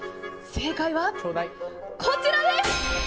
正解はこちらです！